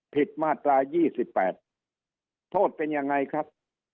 ผิดมาตรายี่สิบแปดโทษเป็นยังไงครับ